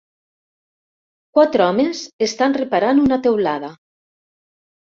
Quatre homes estan reparant una teulada.